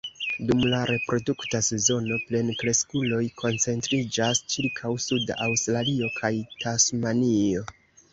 Dum la reprodukta sezono, plenkreskuloj koncentriĝas ĉirkaŭ suda Aŭstralio kaj Tasmanio.